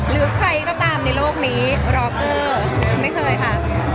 หรือใครก็ตามในโลกนี้ร็อกเกอร์ไม่เคยค่ะ